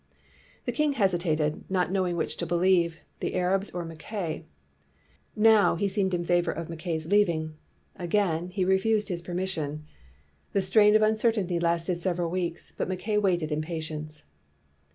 The king hesitated, not knowing which to believe, the Arabs or Mackay. Now, he seemed to favor Mackay 's leaving; again, he refused his permission. The strain of uncertainty lasted several weeks, but Mackay waited in patience.